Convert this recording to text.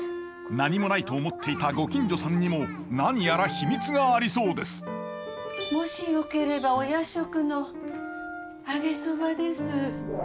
何もないと思っていたご近所さんにも何やら秘密がありそうですもしよければお夜食の揚げそばです。